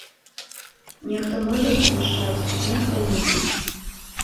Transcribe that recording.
Нехта можа сумяшчаць, нехта не.